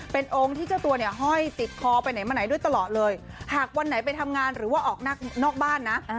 เป็นองค์ที่เจ้าตัวเนี่ยห้อยติดคอไปไหนมาไหนด้วยตลอดเลยหากวันไหนไปทำงานหรือว่าออกนอกบ้านนะ